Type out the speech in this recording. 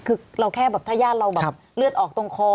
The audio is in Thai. คือเราแค่แบบถ้าญาติเราแบบเลือดออกตรงคอ